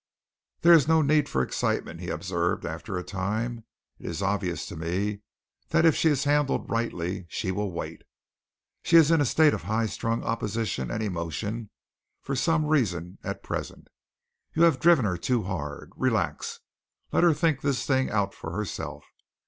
"There is no need for excitement," he observed after a time. "It is obvious to me that if she is handled rightly, she will wait. She is in a state of high strung opposition and emotion for some reason at present. You have driven her too hard. Relax. Let her think this thing out for herself.